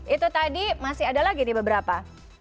itu tadi masih ada lagi nih beberapa